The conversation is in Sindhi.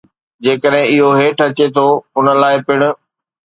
جيڪڏهن اهو هيٺ اچي ٿو، ان لاء پڻ